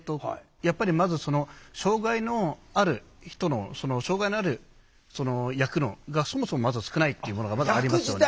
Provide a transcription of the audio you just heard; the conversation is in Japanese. やっぱりまず障害のある人の障害のある役がそもそもまずは少ないっていうものがまだありますよね。